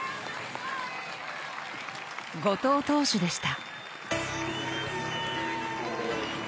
後藤投手でした。